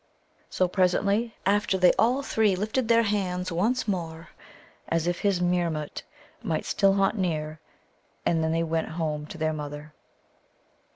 So, presently, after they all three lifted their hands once more, as if his Meermut might still haunt near; and then they went home to their mother.